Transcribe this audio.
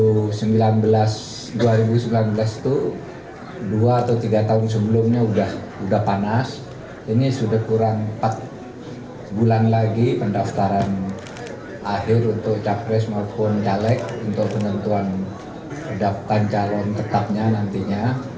tanggal dua ribu sembilan belas itu dua atau tiga tahun sebelumnya sudah panas ini sudah kurang empat bulan lagi pendaftaran akhir untuk capres maupun caleg untuk penentuan daftar calon tetapnya nantinya